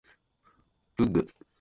文具